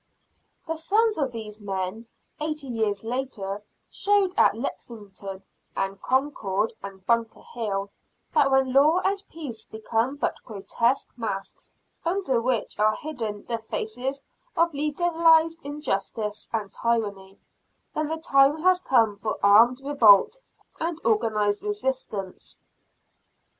The sons of these men, eighty years later, showed at Lexington and Concord and Bunker Hill, that when Law and Peace become but grotesque masks, under which are hidden the faces of legalized injustice and tyranny, then the time has come for armed revolt and organized resistance.